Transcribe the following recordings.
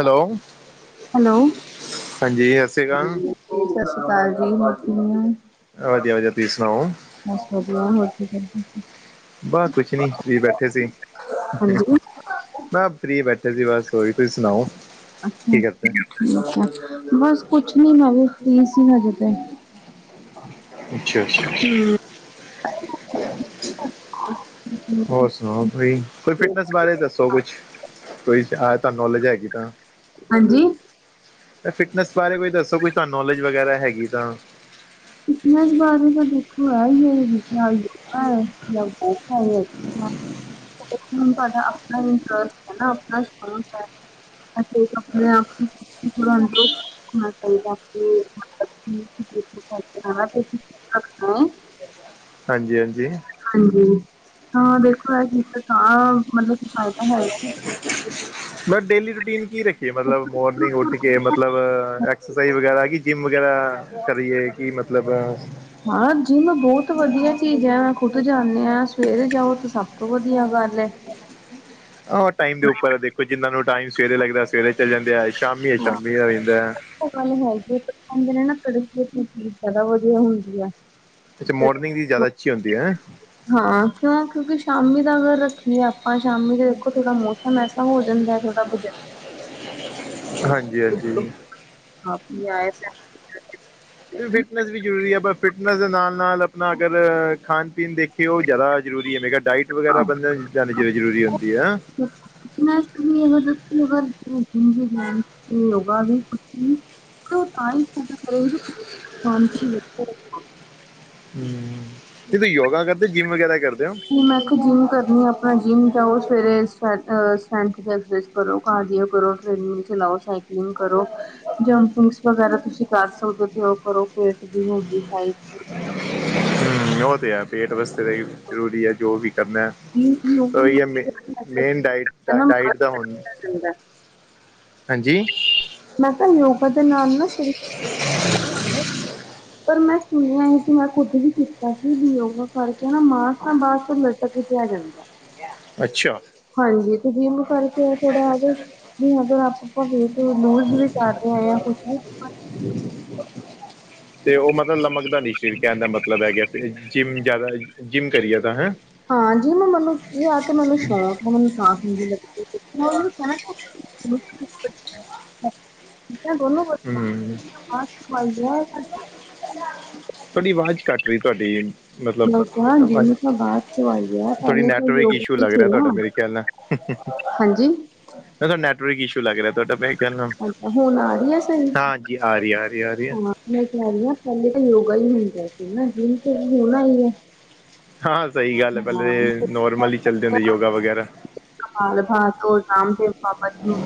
Hello hello ਹਾਂਜੀ ਸਤਿ ਸ਼੍ਰੀ ਅਕਾਲ ਸਤਿ ਸ਼੍ਰੀ ਅਕਾਲ ਜੀ ਕਿਵੇਂ ਹੋ ਵਧੀਆ ਵਧੀਆ ਤੁਸੀਂ ਸੁਣਾਓ ਬਸ ਵਧੀਆ ਹੋਰ ਕੀ ਕਰਦੇ ਸੀ? ਬਸ ਕੁਛ ਨੀ ਫਰੀ ਬੈਠੇ ਸੀ। ਹਾਂਜੀ ਮੈਂ ਫਰੀ ਬੈਠੇ ਸੀ ਬਸ ਹੋਈ ਤੁਸੀਂ ਸੁਣਾਓ ਕੀ ਕਰਦੇ ਅੱਛਾ-ਅੱਛਾ, ਬਸ ਕੁਛ ਨੀ ਮੈਂ ਵੀ ਫਰੀ ਹਜੇ ਤੇ। ਅੱਛਾ, ਅੱਛਾ। ਹੋਰ ਸੁਣਾਓ ਕੋਈ, ਕੋਈ ਫਿਟਨੈਸ ਬਾਰੇ ਦੱਸੋ ਕੁਛ ਕੋਈ ਆ ਤੁਹਾਨੂੰ ਨੌਲੇਜ ਹੈਗੀ ਤਾਂ। ਹਾਂਜੀ। ਤਾਂ ਫਿਟਨੈਸ ਬਾਰੇ ਕੋਈ ਦੱਸੋ ਕੋਈ ਤੁਹਾਨੂੰ ਨੌਲੇਜ ਵਗੈਰਾ ਹੈਗੀ ਤਾਂ। ਇਸ ਬਾਰੇ ਤਾਂ ਦੇੁਖੋ ਹੈੁ [unintelligible] ਤੁਹਾਡਾ ਆਪਣਾ ਇੰਟਰਸਟ ਹੈ ਨਾ ਆਪਣਾ ਸ਼ੌਕ ਹੈ। ਅੱਛਾ ਆਪਣੇ ਆਪ ਨੂੰ ਥੋੜਾ ਅੰਦਰੋਂ ਹ ਕਹੀ [unintelligible] ਹਾਂਜੀ, ਹਾਂਜੀ। ਹਾਂਜੀ, ਹਾਂ ਦੇਖੋ ਇਹ ਜ ਤਾ ਮਤਲਬ ਕੀ ਫਾਇਦਾ ਹੈਗਾ। [inaudible] ਮਤਲਬ ਡੇਲੀ ਰੂਟੀਨ ਕੀ ਰੱਖੀਏ ਮਤਲਬ ਮੋਰਨਿੰਗ ਉੱਠ ਕੇ ਮਤਲਬ ਐਕਸਰਸਾਈਜ਼ ਵਗੈਰਾ ਕਿ ਜਿੰਮ ਵਗੈਰਾ। ਕਿ ਕਰੀਏ ਕਿ ਮਤਲਬ ਹਾਂ ਜੀ ਮੈਂ ਬਹੁਤ ਵਧੀਆ ਚੀਜ਼ ਹੈ ਮ ਖੁਦ ਜਾਂਦੇ ਹ ਸਵੇਰੇ ਜਾਓ ਤਾਂ ਸਭ ਤੋਂ ਵਧੀਆ ਗੱਲ ਹੈ। ਆਹ ਟਾਈਮ ਦੇ ਉੱਪਰ ਦੇਖੋ ਜਿੰਹਨਾ ਨੂੰ ਟਾਈਮ ਸਵੇਰੇ ਲੱਗਦਾ ਸਵੇਰੇ ਚਲੇ ਜਾਂਦੇ ਆ ਸ਼ਾਮੀ ਸ਼ਾਮੀ ਦਾ ਰਹਿੰਦਾ ਹੈ। ਉਹ ਗੱਲ ਹੈਗੀ ਕਹਿੰਦੇ ਨੇ ਨਾ ਕੜੀ ਦੀ ਚੀਜ਼ ਜ਼ਿਆਦਾ ਵਧੀਆ ਹੁੰਦੀ ਹੈ। ਅੱਛਾ ਮੋਰਨਿੰਗ ਦੀ ਜ਼ਿਆਦਾ ਅੱਛੀ ਹੁੰਦੀ ਹੈ। ਹਾਂ ਕਿਉਂ ਕਿਉਂਕਿ ਸ਼ਾਮੀ ਤੱਕ ਰੱਖਣੀ ਆਪਾਂ ਸ਼ਾਮੀ ਚ ਦੇਖੋ ਥੋੜਾ ਮੌਸਮ ਮੈਸਾ ਹੋ ਜਾਂਦਾ ਥੋੜਾ ਬਜਟ ਹਾਂਜੀ ਹਾਂਜੀ ਜਾਏ ਤਾਂ ਫਿਟਨੈਸ ਵੀ ਜ਼ਰੂਰੀ ਹੈ ਪਰ ਫਿਟਨੈਸ ਦੇ ਨਾਲ -ਨਾਲ ਆਪਣਾ ਅਗਰ ਖਾਣ ਪੀਣ ਦੇਖ [inaudible] ਕਿ ਉਹ ਜ਼ਿਆਦਾ ਜ਼ਰੂਰੀ ਹੈ ਮੈਂ ਕਿਹਾ ਡਾਇਟ ਵਗੈਰਾ ਬੰਦਿਆਂ ਦੀ ਜਿਆਦਾ ਜ਼ਰੂਰੀ ਹੁੰਦੀ ਏ ਹੈਨਾ। ਮੈ [unintelligible] ਯੋਗਾ ਵੀ ਕੁਛ ਤੇ ਉਹ ਤਾਂ ਹੀ ਕਰੇ [unintelligible] ਹੂੰ। ਕਿ ਤੁਸੀ ਯੋਗਾ ਕਰਦੇ ਜਿੰਮ ਵਗੈਰਾ ਕਰਦੇ ਹੋ? ਮੈਂ ਕਿਹਾ ਜਿੰਮ ਕਰਨੀ ਆ, ਆਪਣਾ ਜਿੰਮ ਜਾਓ। ਸਵੇਰੇ, ਸ [unintelligible] ਕਰੋ ਕਾਰਡਿਔ ਕਰੋ, ਟ੍ਰੇਨਿੰਗ ਚਲਾਓ, ਸਾਈਕਲਿੰਗ ਕਰੋ, ਜੰਪਿੰਗਸ ਵਗੈਰਾ ਤੁਸੀਂ ਕਰ ਸਕਦੇ ਹੋ। ਉਹ ਕਰੋ ਪੇਟ ਦੀ ਐਕਸਰਸਾਈਜ਼ ਹਮ ਉਹ ਤਾਂ ਹੈ ਪੇਟ ਵਾਸਤੇ ਤਾਂ ਜ਼ਰੂਰੀ ਹੈ ਜੋ ਵੀ ਕਰਨਾ ਦੀ ਯੋਗਾ ਉਹੀ ਆ ਮੇ ਨਾਲ ਮੇਨ ਡਾਇਤ ਚਾਰਟ, ਆਹੀ ਤਾਂ ਹੁਣ ਚੰਗਾ ਹਾਂਜੀ। ਮੈਂ ਤਾਂ ਯੋਗਾ ਦੇ ਨਾਲ ਨਾ ਸ਼ਰੀਰ ਪਰ ਮੈਂ ਸੁਣਿਆ ਸੀ ਕਿ ਮੈਂ ਖੁਦ ਵੀ ਕੀਤਾ ਸੀ ਵੀ ਯੋਗਾ ਕਰਕੇ ਨਾ ਮਾਸ ਤਾਂ ਬਾਹਦ ਫ ਲਟਕ ਜਿਆ ਜਾਂਦਾ। ਠੀਕ ਹੈ। ਹਾਂਜੀ ਤੇ ਜਿੰਮ ਕਰਕੇ ਆ ਥੋੜਾ ਇਹਦੇ ਵੀ ਅਗਰ ਆਪਾਂ ਭਵੇ ਤੋਂ ਲੂਜ ਵੀ ਕਰ ਰਹੇ ਹਾਂ ਜਾਂ ਕੁਛ ਵੀ ਕਰ ਤੇ ਉਹ ਮਤਲਬ ਲਮਕਦਾ ਨਹੀਂ ਸਰੀਰ ਕਹਿਣ ਦਾ ਮਤਲਬ ਹੈ ਗਿਆ ਜਿੰਮ ਜ਼ਿਆਦਾ ਜਿੰਮ ਕਰੀਏ ਤਾਂ ਹੈਂ। ਹਾਂ ਜੀ ਮੈਂ ਮਨੁ ਇਹ ਆ ਤੇ ਮਨੁਸ਼ਵ ਸਸ ਕ ਬੋਲ ਹਮ ਹਾਂ ਸਖਈ [inaudible] ਤੁਹਾਡੀ ਆਵਾਜ਼ ਕੱਟ ਰਹੀ ਤੁਹਾਡੀ। ਮਤਲਬ ਮੈਂ ਕਿਹਾ ਹੋਰ ਜਿਮ ਭਾਜੀ ਤਾਂ ਬਾਅਦ ਕਰਵਾਈ ਹੈ ਥੋੜੀ ਪਹਿਲੇ ਤਾਂ ਨੈਟਵਰਕ ਯੋਗਾ ਇਸ਼ੂ ਹੀ ਲੱਗ ਸੀ ਰਿਹਾ ਨਾ ਤੁਹਾਡਾ ਮੇਰੇ ਖਿਆਲ ਨਾਲ ਹਾਂਜੀ ਮ ਨੈਟਵਰਕ ਇਸ਼ੂ ਲੱਗ ਰਿਹਾ ਤੁਹਾਡਾ ਮ ਖਿਆਲ ਨਾਲ ਅੱਛਾ ਹੁਣ ਆ ਰਹੀ ਹੈ ਸਹੀ ਹਾਂਜੀ ਆ ਰਹੀ -ਆ ਰਹੀ -ਆ ਰਹੀ। ਹਾਂ ਮੈਂ ਕਹਿ ਰਹੀ ਹਾਂ ਪਹਿਲੇ ਤਾਂ ਯੋਗਾ ਹੀ ਹੁੰਦਾ ਸੀ ਨਾ ਜਿੰਮ ਤੇ ਵੀ ਹੋਣਾ ਆਈ ਏ। ਹਾਂ ਸਹੀ ਗੱਲ ਹੈ ਪਹਿਲੇ ਨੋਰਮਲ ਹੀ ਚੱਲਦੇ ਹੁੰਦੇ ਯੋਗਾ ਵਗੈਰਾ ਕਮਾਲ ਭਾ ਤੋਂ ਰਾਮਦੇਵ ਬਾਬਾ ਜੀ ਨੂੰ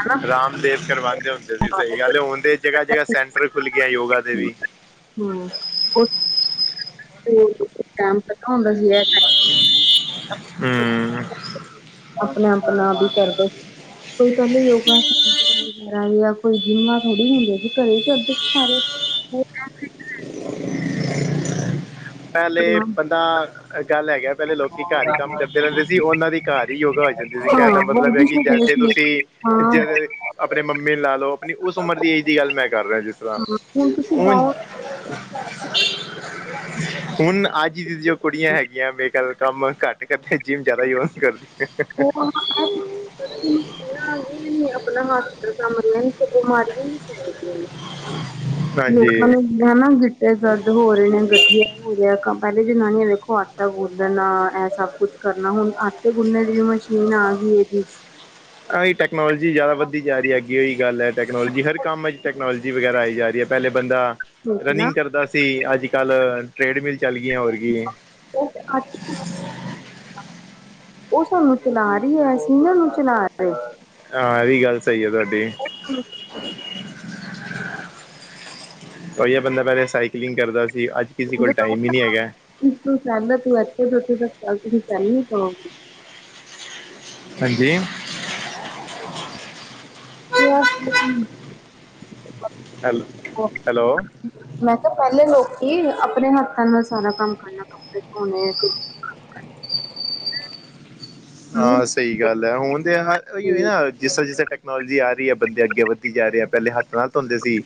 ਹਨਾ ਰਾਮਦੇਵ ਕਰਵਾਂਦੇ ਹੁੰਦੇ ਸੀ ਸਹੀ ਗੱਲ ਹੁਣਦੇ ਜਗ੍ਹਾ -ਜਗ੍ਹਾ ਹਾਂ ਸੈਂਟਰ ਖੁੱਲ ਗਿਆ ਯੋਗਾ ਦੇ ਵੀ ਹੂੰ ਟੈਮ ਪਤਾ ਹੁੰਦਾ ਸੀ ਏ ਟਾਈਮ ਹੂੰ ਆਪਣੇ ਆਪਣਾ ਵੀ ਕਰਦੇ ਕੋਈ ਪਹਿਲੇ ਯੋਗਾ ਵਗੈਰਾ ਕੋਈ ਜਿੰਮਾਂ ਥੋੜੀ ਹੁੰਦੀਆਂ ਸੀ ਘਰੇ ਹੀ ਕਰਦੇ ਸਾਰੇ ਪਹਿਲੇ ਬੰਦਾ ਗੱਲ ਹੈਗੀ ਪਹਿਲੇ ਲੋਕੀ ਘਰ ਹੀ ਕੰਮ ਕਰਦੇ ਰਹਿੰਦੇ ਸੀ ਉਹਨਾਂ ਦੀ ਘਰ ਹੀ ਯੋਗਾ ਹੋ ਜਾਂਦੀ। ਜ ਹਾਂ ਕਹਿਣ ਦਾ ਮਤਲਬ ਹੈ ਵਰਜਿਸ਼ ਕਿ ਹੁੰਦੀ ਜੈਸੇ ਸੀ ਤੁਸੀਂ ਹਾਂ ਹਾਂ ਜਿਵੇ ਆਪਣੇ ਮੰਮੀ ਨੂ ਲਾ ਲਓ। ਆਪਣੀ ਉਸ ਉਮਰ ਦੀ ਏਜ ਦੀ ਗੱਲ ਮੈਂ ਕਰ ਰਿਹਾ ਜਿਸ ਤਰ੍ਹਾਂ ਹੁਣ ਤੁਸੀਂ ਉਂਜ ਗਾਉਂ ਹੁਣ ਅੱਜ ਦੀ ਜੋ ਕੁੜੀਆਂ ਹੈਗੀਆਂ ਬੇਕੱਲ ਕੰਮ ਘੱਟ ਕਿ ਇਥੇ ਜਿੰਮ ਜ਼ਿਆਦਾ ਯੂਜ ਕਰਦੀ ਹੈ। [inaudible] ਹਾਂ ਆਪਣਾ ਹਾਲਚਾਲ ਤੇ ਮਨਣਾ ਨੀ। ਬਿਮਾਰੀ ਵੀ ਨੀ ਸੀ। ਹਾਂਜੀ ਲੋਕਾਂ ਨੇ ਕਹਿਣਾ ਗਿੱਟੇ ਦਰਦ ਹੋ ਰਹੇ ਨੇ ਗਠੀਆ ਹੋ ਰਿਹਾ ਪਹਿਲੇ ਜਨਾਨੀਆਂ ਦੇਖੋ ਅੱ ਆਟਾ ਗੁੰਨਦਣਾ ਇਹ ਸਭ ਕੁਛ ਕਰਨਾ ਹੁਣ ਆਟੇ ਗੁੰਨੇ ਦੀ ਵੀ ਮਸ਼ੀਨ ਆ ਗਈ ਹੈਗੀ। ਆਹੀ ਟੈਕਨੋਲੋਜੀ ਜ਼ਿਆਦਾ ਵੱਧਦੀ ਜਾ ਰਹੀ ਹੈਗੀ ਆ ਉਹੀ ਗੱਲ ਹੈ ਟੈਕਨੋਲੋਜੀ ਹਰ ਕੰਮ 'ਚ ਟੈਕਨੋਲੋਜੀ ਵਗੈਰਾ ਆਈ ਜਾ ਰਹੀ ਹੈ। ਪਹਿਲੇ ਬੰਦਾ ਠੀਕ ਨਾ ਰਨਿੰਗ ਕਰਦਾ ਸੀ ਅੱਜ ਕੱਲ੍ਹ ਟ੍ਰੇਡਮਿਲ ਚੱਲ ਗਈਆਂ ਹੋਰ ਕੀ ਏ। [unintelligible] ਉਹ ਸਾਨੂੰ ਚਲਾ ਰਹੀ ਹੈ ਅਸੀਂ ਇਹ ਨੂੰ ਚਲਾ ਰਹੇ। ਹਾਂ ਇਹ ਵੀ ਗੱਲ ਸਹੀ ਆ ਤੁਹਾਡੀ ਉਹੀ ਬੰਦਾ ਪਹਿਲੇ ਸਾਈਕਲਿੰਗ ਕਰਦਾ ਸੀ ਅੱਜ ਕਿਸ ਜੇ ਕੋਲ ਕਹੋ ਟਾਈਮ ਹੀ ਨਹੀਂ ਹੈਗਾ। ਤੂੰ ਸਹਿ ਤੂੰ ਇੱਥੇ ਤੋਂ ਉੱਥੇ ਤੱਕ ਵਲ ਤੁਸੀਂ ਚੱਲ ਨਹੀ ਪਾਉਗੇ। ਹਾਂਜੀ [unintelligible] ਹੈਲੋ- ਹੈਲੋ ਮੈਂ ਕਿਹਾ ਪਹਿਲੇ ਲੋਕੀ ਆਪਣੇ ਹੱਥਾਂ ਨਾਲ ਸਾਰਾ ਕੰਮ ਕਰਨਾ ਕੱਪੜੇ ਧੋਣੇ ਸੁੱਕਣੇ। ਹਾਂ ਸਹੀ ਗੱਲ ਹੈ ਹੁਣ ਤੇ ਨਾ ਉਹੀਉ ਨਾ ਜਿਸ ਤਰਾ ਟੈਕਨੋਲੋਜੀ ਆ ਰਹੀ ਹੈ ਬੰਦੇ ਅੱਗੇ ਵਧ ਕੀ ਕਹਿ ਰਹੇ ਹੈ ਪਹਿਲੇ ਹੱਥ ਨਾ ਧੋਂਦੇ ਸੀ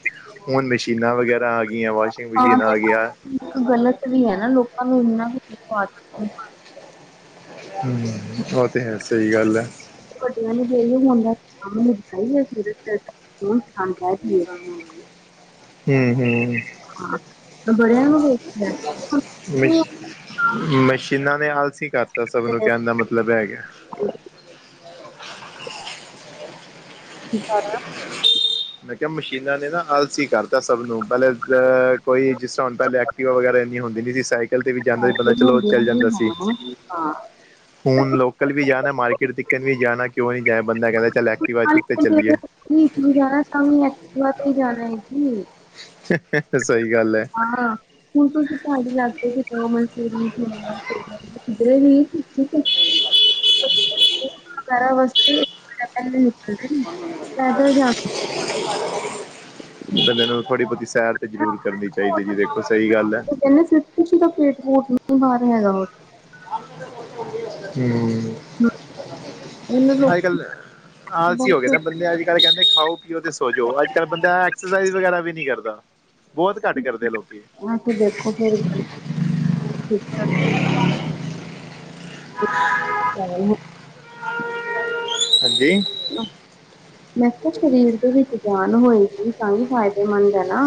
ਹੁਣ ਮਸ਼ੀਨਾਂ ਵਗੈਰਾ ਆ ਗਈਆਂ ਵਾਸ਼ਿੰਗ ਹਾਂ ਮਸ਼ੀਨ ਤੇ ਆ ਗਿਆ। ਇੱਕ ਗਲਤ ਵੀ ਹੈ ਨਾ ਲੋਕਾਂ ਨੂੰ ਇੰਨਾ ਹੀ ਉਹ ਤੇ ਹੈ ਸਹੀ ਗੱਲ ਹੈ। ਵੱਡਿਆਂ ਨੂੰ ਡੇਲੀ ਹੁੰਦੈ ਕੰਮ ਨਿਪਟਾਈਏ ਸਵੇਰੇ-ਸਵੇਰੇ ਫੋਨ ਚਲਾਣ ਬੈਹ ਜਾਈ ਏ। ਹੂੰ-ਹੂੰ ਹਾਂ ਬੜਿਆ ਨੂੰ ਵੇਖਿਆ। ਕਿਉਂ ਮਸ਼ ਮਸ਼ੀਨਾਂ ਨੇ ਆਲਸੀ ਕਰਤਾ ਸਭ ਨੂੰ ਤੇ ਕਹਿਣ ਦਾ ਮਤਲਬ ਏ ਹੇਗਾ। [unintelligible] ਮੈਂ ਕਿਹਾ ਮਸ਼ੀਨਾਂ ਨੇ ਨਾ ਆਲਸੀ ਕਰਤਾ ਸਭ ਨੂੰ ਪਹਿਲੇ ਹ ਕੋਈ ਜਿਸ ਤਰ੍ਹਾਂ ਹੁਣ ਪਹਿਲੇ ਐਕਟਿਵਾ ਵਗੈਰਾ ਇੰਨੀ ਹੁੰਦੀ ਨਹੀਂ ਸੀ ਸਾਈਕਲ ਤੇ ਵੀ ਜਾਂਦਾ ਸੀ ਬੰਦਾ ਸਾਈਕਲ ਚਲੋ ਹੁੰਦੇ ਚੱਲ ਹੁੰਦੇ ਜਾਂਦਾ ਸੀ। ਹਾਂ ਹਾਂ ਤੇ ਹੁਣ ਤੂੰ ਲੋਕਲ ਵੀ ਜਾਣਾ ਮਾਰਕੀਟ ਤਿਕਨ ਵੀ ਜਾਣਾ ਕਿਉਂ ਨਹੀਂ ਜਾ ਬੰਦਾ ਕਹਿੰਦਾ ਚੱਲ ਐਕਟਿਵਾ ਆ ਚੁੱਕ ਤੇ ਚੱਲੀਏ। ਇਤਨੀ ਦੁਰ ਜਾਣਾ ਤਾਂ ਵੀ ਐਕਟਿਵਾ ਤੇ ਜਾਣਾ ਹੈ ਜੀ। [inaudible] ਸਹੀ ਗੱਲ ਹੈ। ਹਾਂ ਹੁਣ ਤੁਸੀ ਪਾੜੀ ਲਾਕੇ 'ਚ ਜਾਣਾ ਕੇਰੀ ਘੁਮਣ ਫੇਰੀ [inaudible] ਕਿਧਰੇ ਵੀ ਹੈ [inaudible] [unintelligible] [inaudible] ਪੈਦਲ ਜਾਂਦੇ ਬੰਦੇ ਨੂੰ ਥੋੜ੍ਹੀ ਬਹੁਤੀ ਸੈਰ ਤੇ ਜ਼ਰੂਰ ਕਰਨੀ ਚਾਹੀਦੀ ਹੈ ਜੀ ਦੇਖੋ ਸਹੀ ਵਾਪਸ ਗੱਲ ਏ। [inaudible] ਤਿੰਨ ਸੀ ਤੁਸੀਂ ਤਾਂ ਪੇਟ ਪੋਟ ਨ ਬਾਹਰ ਹਾ ਹੈਗਾ ਉਹ ਹਮ ਉਹਨੂੰ ਲੋਕ ਅਜ ਕੱਲ ਆਲਸੀ ਹੋ ਗਏ ਬਸ ਤਾਂ ਬੰਦੇ। ਆਜ ਕਹਿੰਦੇ ਖਾਓ ਪੀਓ ਤੇ ਸੋਜੋ ਅੱਜ ਕੱਲ ਬੰਦਾ ਐਕਸਰਸਾਈਜ਼ ਵਗੈਰਾ ਵੀ ਨਹੀਂ ਕਰਦਾ। ਬਹੁਤ ਘੱਟ ਕਰਦੇ ਆ ਲੋਕੀ। ਹਾਂ ਤੇ ਦੇਖ ਫੇਰ। ਠੀਕ ਆ। [inaudible] ਹੂੰ ਹਾਂਜੀ ਮੈਂ ਕਿਹਾ ਸਰੀਰ ਦੇ ਵਿੱਚ ਜਾਨ ਹੋਏਗੀ ਤਾਂ ਹੀ ਫ਼ਾਇਦੇਮੰਦ ਹੈ ਨਾ।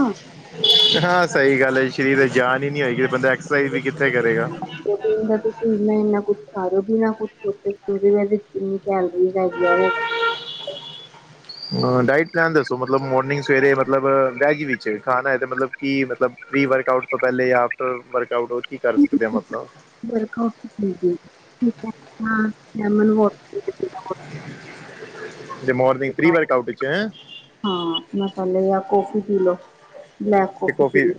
ਹਾਂ ਸਹੀ ਗੱਲ ਏ ਸਰੀਰ ਜਾਨ ਹੀ ਨੀ ਹੋਏਗੀ ਬੰਦਾ ਐਕਸਰਸਾਈਜ਼ ਵੀ ਕਿੱਥੇ ਕਰੇਗਾ? ਫੋਟ ਦਾ ਤੁਸੀਨਾ ਇੰਨਾ ਕੁਛ ਖਓ ਬਿਨਾਂ ਕੁਛ ਛੋਟੇ ਦੇੰਨੀ ਕੈਲਰੀ ਹੈਗੀਆਂ ਨੇ। ਡਾਇਟ ਪਲੈਨ ਦੱਸੋ, ਮਤਲਬ ਮੋਰਨਿੰਗ ਸਵੇਰੇ ਮਤਲਬ ਵੈਜ ਵਿੱਚ ਖਾਣਾ ਹੈ ਤੇ ਮਤਲਬ ਕੀ ਮਤਲਬ ਪ੍ਰੀ ਵਰਕ ਆਊਟ ਤੋਂ ਪਹਿਲੇ ਆਫਟਰ ਵਰਕ ਆੳਟ ਉਹ ਕੀ ਕਰ ਸਕਦੇ ਆ ਮਤਲਬ ਵਰਕ ਠੀਕ ਹੈ ਹਾਂ ਲੈਮਨ ਵ ਹ [unintelligible] ਹ ਹਾਂ ਮਸਾਲੇ ਜਾਂ ਕੋਫੀ ਪੀ ਲਓ। ਬਲੈਕ ਤੇ ਕੋਫੀ ਕੌਫੀ ਰ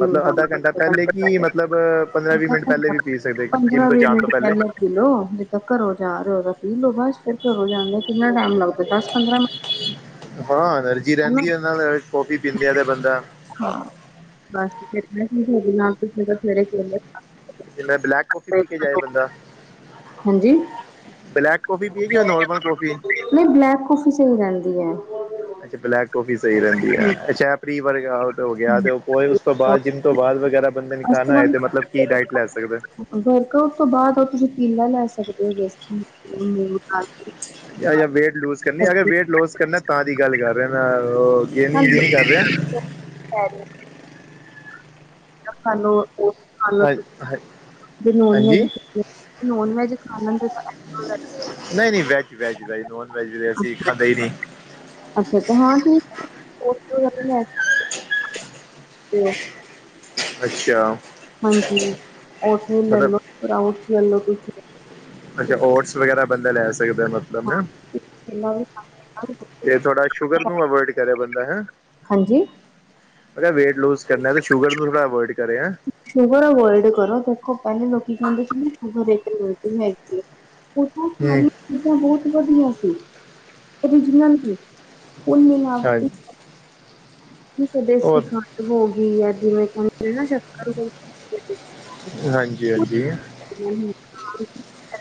ਮਤਲਬ ਅੱਧਾ ਘੰਟਾ ਪਹਿਲੇ ਕਿ ਮਤਲਬ ਪੰਦਰਾਂ ਵੀਹ ਮਿੰਟ ਪਹਿਲੇ ਵੀ ਪੀ ਸਕਦੇ ਜਿੰਮ ਪੰਦਰਾਂ ਤੋਂ ਵੀਹ ਜਾਣ ਤੋਂ ਮਿੰਟ ਪਹਿਲੇ ਪਹਿਲਾਂ। ਲੋੋ ਜਿੱਦਾਂ ਘਰੋਂ ਜਾ ਰਹੇ ਹੋ ਤਾਂ ਪੀਹ ਲੋਉ ਫਰ ਘਰੋਂ ਜਾਦੇ ਕਿੰਨਾ ਟਾਈਮ ਲੱਗਦਾ ਦਸ ਪੰਦਰਾਂ ਮਿੰਟ। ਹਾਂ ਐਨਰਜੀ ਰਹਿੰਦੀ ਉਹ ਨਾਲ ਕੌਫੀ ਪੀਂਦ ਆ ਤੇ ਬੰਦਾ ਹਾਂ ਬਸ ਫਿਰ ਤੁ ਨਾਲ ਤੁਸੀਂ ਤਾਂ ਸਵੇਰੇ ਜਿਵੇਂ ਬਲੈਕ ਕੋਫੀ ਪੀ ਕੇ ਜਾਏ ਬੰਦਾ, ਹਾਂਜੀ ਬਲੈਕ ਕੌਫੀ ਪੀਏਗੀ ਉਹ ਨਾਰਮਲ ਕੌਫੀ ਏ। ਨਹੀਂ ਬਲੈਕ ਕਾਫੀ ਸਹੀ ਰਹਿੰਦੀ ਏ। ਅੱਛਾ ਬਲੈਕ ਕਫੀ ਸਹੀ ਰਹਿੰਦੀ ਐ। ਹੋ ਗਿਆ ਉਸ ਤੋਂ ਬਾਅਦ ਜਿੰਮ ਤੋਂ ਬਾਅਦ ਵਗੈਰਾ ਬੰਦੇ ਨੇ ਖਾਣਾ ਹੈ ਤੇ ਮਤਲਬ ਕੀ ਡਾਇਟ ਲੈ ਸਕਦਾ? ਵਰਕ -ਆਊਟ ਤੋਂ ਬਾਅਦ ਉਹ ਤੁਸੀਂ ਪੀਲਾ ਲੈ ਸਕਦੇ ਹੋ। ਹਾਂ ਅ ਯ ਵੇਟ ਲੂਜ ਕਰਨੀ ਅਗਰ ਵੇਟ ਲੂਸ ਕਰਨਾ ਤਾਂ ਦੀ ਗੱਲ ਕਰ ਰਹੇ ਮੈਂ ਉਹ ਇਹ ਨੀ ਇਹਦੀ ਨ ਕਰ ਰਿਹਾ। ਹ [inaudible] ਖ ਲੋ ਉਹ ਹਾਂ ਜ ਨੋਨ ਹਾਂਜੀ ਵੈਜ ਨੋਨ ਵੈਜ ਖਾਣ ਨਹੀਂ ਨਹੀਂ ਵੈਜ ਵੈਜ ਦਾ ਨੋਨ ਵੈਜ ਅਸੀਂ ਖਾਂਦੇ ਹੀ ਨਹੀਂ। ਅੱਛਾ ਹਾਂ ਠੀਕ। ਅੱਛਾ ਹਾਂਜੀ ਓਟਸ ਲੈ ਮਤਲਬ ਲਓ ਸਪਰਊਟਸ ਲੈ ਲਓ ਤੁਸੀਂ ਅੱਛਾ ਓਟਸ ਵਗੈਰਾ ਬੰਦਾ ਲੈ ਸਕਦਾ। ਮਤਲਬ ਹਾਂ ਹੈ ਚਿਲਾ ਵੀ ਖਾ ਸਕਦੇ ਤੇ ਥੋੜ੍ਹਾ ਸ਼ੂਗਰ ਹਾਂ। ਨੂੰ ਅਵੋਇਡ ਕਰੇ ਬੰਦਾ ਹੈਂ। ਹਾਂਜੀ ਅਗਰ ਵੇਟ ਲੂਜ ਕਰਨਾ ਤਾਂ ਸ਼ੂਗਰ ਨੂੰ ਥੋੜਾ ਅਵੋਇਡ ਕਰੇਂ। ਸ਼ੂਗਰ ਅਵੋਇਡ ਕਰੋ ਦੇਖੋ ਪਹਿਲੇ ਲੋਕੀ ਖਾਂਦੇ ਸੀ ਸ਼ਗਰ ਉਹ ਤਾਂ ਹਮ ਸਾਰੀਆਂ ਚੀਜ਼ਾਂ ਬਹੁਤ ਵਧੀਆ ਸੀ ਓਰੀਜਨਲ ਸੀ। ਹੁਣ ਮਿਲਾਵਟ ਹਾਂਜੀ ਜਿਵੇਂ ਉਹ ਕਿ ਖੰਡ ਹੋ ਗਈ ਦੇਸੀ ਸ਼ੱਕਰ ਹੋ ਗਈ ਹਾਂਜੀ ਹਾਂਜੀ ਹਮ ਹਮ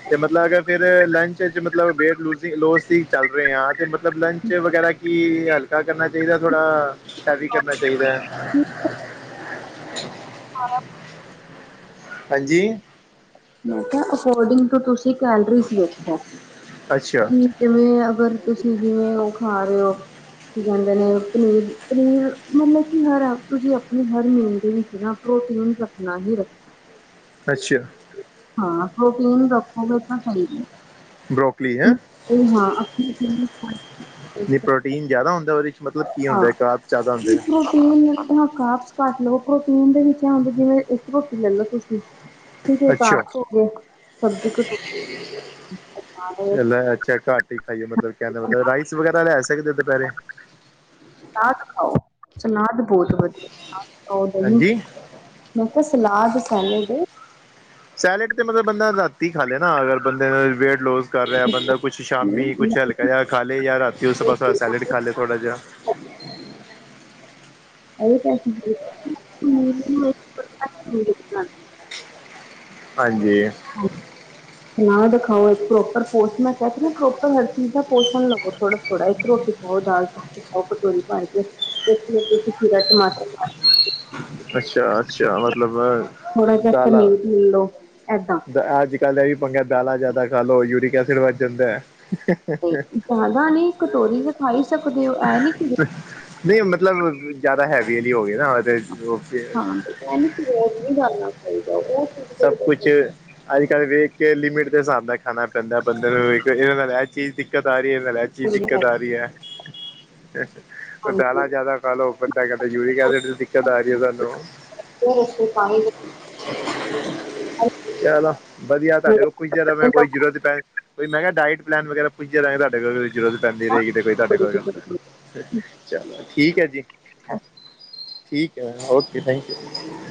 ਅਤੇ ਮਤਲਬ ਅਗਰ ਫਿਰ ਲੰਚ 'ਚ ਮਤਲਬ ਵੇਟ ਲੂ ਲੋਸ ਦੀ ਚੱਲ ਰਹੇ ਹਾਂ ਅਤੇ ਮਤਲਬ ਲੰਚ ਵਗੈਰਾ। ਕੀ ਗੱਲ ਪੱਕਾ ਕਰਨਾ ਚਾਹੀਦਾ ਥੋੜਾ ਹੈਵੀ ਕਰਨਾ ਚਾਹੀਦਾ ਹੈ। ਹਾਂ ਹਾਂਜੀ ਨਹੀਂ ਤਾਂ ਅਕੋਰਡਿੰਗ ਟੂ ਤੁਸੀਂ ਕੈਲਰੀਜ਼ ਵੇਖੋ। ਅੱਛਾ ਜਿਵੇਂ ਅਗਰ ਤੁਸੀਂ ਜਿਵੇਂ ਉਹ ਖਾ ਰਹੇ ਹੋ। ਕੀ ਕਹਿੰਦੇ ਨੇ ਪਨੀਰ ਪਨੀਰ ਮਤਲਬ ਕਿ ਹਰ ਆਪ ਤੁਸੀਂ ਆਪਣੀ ਹਰ ਮੀਲ ਦੇ ਸੀ ਨਾ। ਪ੍ਰੋਟੀਨ ਰੱਖਣਾ ਹੀ ਰੱਖਣਾ। ਅੱਛਾ ਹਾਂ ਹੋੋ ਪ੍ਰੋਟੀਨ ਰੱਖੋਗੇ ਤਾਂ ਸਹੀ। ਬਰੋਕਲੀ ਹੈ ਪਨੀਰ- ਹਾਂ ਆਪਣੀ ਨਹੀਂ ਪ੍ਰੋਟੀਨ ਜ਼ਿਆਦਾ ਹੁੰਦਾ ਉਹਦੇ ਵਿੱਚ। ਮਤਲਬ ਕੀ ਹੁੰਦਾ ਹੈ ਕਤ ਜ਼ਿਆਦਾ ਹੁੰਦੇ ਆ। ਕਾਪਸ ਕੱਟ ਲਵ ਪ੍ਰੋਟੀਨ ਦੇ ਵਿੱਚ ਜਿਵੇਂ ਇੱਕ ਰੋਟੀ ਲੈ ਲੋ ਤੁਸੀਂ। ਠੀਕ ਅੱਛਾ ਆਪਸ ਹੋ ਗਏ ਸਬਜ਼ੀ ਕ ਚੱਲੇ ਅੱਛਾ ਘੱਟ ਹੀ ਖਾਈਏ ਮਤਲਬ ਕਹਿਣ ਦਾ ਮਤਲਬ ਸਲਾਦ ਰਾਈਸ। ਫਰੂਟ ਵਗੈਰਾ ਲੈ ਸਕਦੇ ਦੁਪਹਿਰੇ? ਸਲਾਦ ਖਾਓ ਸਲਾਦ ਬਹੁਤ ਵਧੀਆ ਖਓ ਦਹੀਂ ਹਾਂਜੀ ਖਾਓ। ਮੈਂ ਕਿਹਾ ਸਲਾਦ ਸੈਲਡ ਏ। ਸੈਲੇਡ ਤੇ ਮਤਲਬ ਬੰਦਾ ਰਾਤੀ ਖਾ ਲੇ ਨਾ ਅਗਰ। ਬੰਦੇ ਨੂੰ ਵੇਟ ਲੋਸ ਕਰ ਰਿਹਾ ਨਾ ਬੰਦਾ ਕੁੱਛ ਸ਼ਾਮੀ ਕੁਛ ਹਲਕਾ ਜਿਹਾ ਖਾਲੇ ਜਾਂ ਰਾਤੀ ਉਸ ਬ। ਥੋੜਾ ਸੈਲੇਡ ਖਾ ਲਏ ਥੋੜਾ ਜਿਹਾ। ਅ ਕ [inaudible] ਹਮ ਹਾਂਜੀ ਸਲਾਦ ਖਾਓ ਇੱਕ ਪ੍ਰੋਪਰ ਪੋਸਟ ਮੈਂ ਕਹਿ ਰ ਹ ਪ੍ਰੋਪਰ ਹਰ ਚੀਜ਼ ਦਾ। ਪੋਸ਼ਣ ਲਵੋ ਥੋੜਾ ਥੋੜਾ ਇਕ ਰੋਟੀ ਪਾਓ ਦਾਲ ਚ। ਉਹ ਕਟੋਰੀ ਪਾ ਕੇ ਤੇ ਹੁਣ ਤੁਸੀਂ ਖੀਰਾ ਟਮਾਟਰ ਪਾ ਕੇ। ਅੱਛਾ ਅੱਛਾ ਮਤਲਬ ਚਾਹ ਨਾਲ। ਇੱਦਾਂ ਤਾਂ ਅੱਜ ਕੱਲ੍ਹ ਇਹ ਵੀ ਪੰਗਾ ਦਾਲਾਂ ਜ਼ਿਆਦਾ ਖਾ ਲਓ ਯੂਰਿਕ ਐਸਿਡ ਵੱਧ ਜਾਂਦਾ। ਜਿਆਦਾ ਨੀ ਕਟੋਰੀ ਤਾਂ ਖਾ ਈ ਸਕਦੇ ਹੋ ਇਹ ਨੀ। ਨਹੀਂ ਮਤਲਬ ਜ਼ਿਆਦਾ ਹੈਵੀ ਨਹੀ ਹੋ ਗਏ ਨਾ। ਹਾਂ ਨਹੀਂ ਕਰਨਾ ਚਾਹੀਦਾ ਉਹ। ਸਭ ਕੁਛ ਕਰਕੇ ਅੱਜ ਕੱਲ੍ਹ ਵੇਖ ਕੇ ਲਿਮਿਟ ਦੇ ਹਿਸਾਬ ਨਾਲ ਖਾਣਾ ਪੈਂਦਾ ਬੰਦੇ ਨੂੰ ਇਹਦੇ ਨਾਲ ਇਹ ਚੀਜ਼ ਦਿੱਕਤ ਆ ਰਹੀ ਹੈ। ਇਹਦੇ ਨਾਲ ਇਹ ਜੀ ਦਿੱਕਤ ਆ ਰਹੀ ਹੈ। ਹਾਂਜੀ ਦਾਲਾਂ ਜਿਆਦਾ ਖਾ ਲੋ ਬੰਦਾ ਕਹਿੰਦਾ ਯਰਿਕ ਐਸਿਡ ਦੀ ਦਿੱਕਤ ਆ ਰਹੀ ਹੈ ਸਾਨੂੰ। ਰੋਟੀ ਨਹੀਂ ਸੀ ਖਾਣੀ। ਚਲੋ ਵਧੀਆ ਦੇ ਤੁਹਾਡੇ ਕੋਲ ਪੁੱਛਿਆ ਤਾਂ ਮ ਕੋਈ ਜ਼ਰੂਰਤ ਪੈ। ਕੋਈ ਮੈਂ ਕਿਹਾ ਡਾਇਟ ਪਲੈਨ ਵਗੈਰਾ ਪੁੱਛਿਆ ਤੁਹਾਡੇ ਕੋਲੋਂ ਕੋਈ ਜ਼ਰੂਰਤ ਪੈਂਦੀ ਰਹੇਗੀ ਤੇ ਕੋਈਹਾਡੇ ਕੋਲ ਗਲ ਚਲੋ ਠੀਕ ਹੈ ਜੀ, ਠੀਕ ਹੈ, ਓਕੇ ਥੈਂਕ ਯੂ।